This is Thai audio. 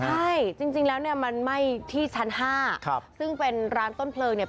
ใช่จริงแล้วเนี่ยมันไหม้ที่ชั้นห้าครับซึ่งเป็นร้านต้นเพลิงเนี่ย